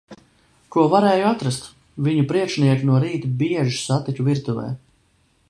Ko varēja atrast. Viņu priekšnieku no rīta bieži satiku virtuvē.